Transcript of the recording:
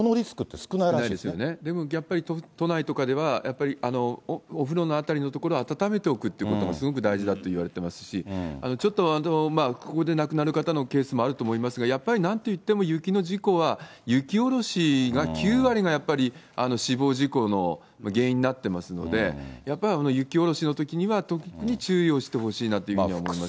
少ないですよね、やっぱり都内とかでは、やっぱりお風呂のあたりの所を暖めておくということがすごく大事だといわれてますし、ちょっとここで亡くなる方のケースもあると思いますが、やっぱりなんといっても雪の事故は、雪下ろしが９割がやっぱり、死亡事故の原因になってますので、やっぱり雪下ろしのときには、特に注意をしてほしいなというふうに思いますね。